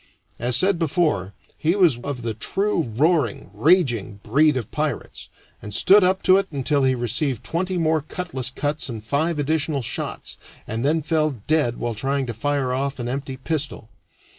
As said before, he was of the true roaring, raging breed of pirates, and stood up to it until he received twenty more cutlass cuts and five additional shots, and then fell dead while trying to fire off an empty pistol.